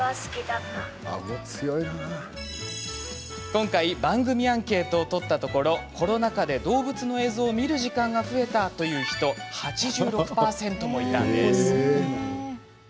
今回、番組アンケートを取ったところコロナ禍で動物の映像を見る時間が増えたという人が８６％もいたんです。